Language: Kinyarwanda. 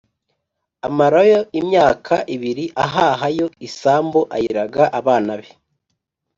Amarayo imyaka ibiri ahaha yo isambu ayiraga abana be